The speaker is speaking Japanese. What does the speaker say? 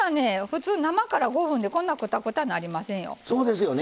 普通、生から５分でこんな、くたくたなりませんよ。